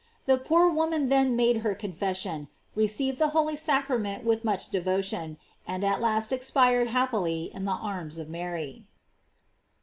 The poor woman then made her confession, received the holy sacra ment with much devotion, and at last exptred happily in the arms of Mary.